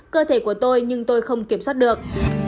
cơ thể của tôi nhưng tôi không kiểm soát được